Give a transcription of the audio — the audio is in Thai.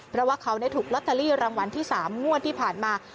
เพราะว่าเขาถูกลอตเตอรี่รางวัลที่๓งวดที่ผ่านมา